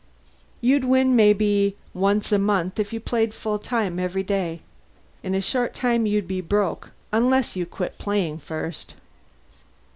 You'd win maybe once a month, if you played full time every day. In a short time you'd be broke, unless you quit playing first.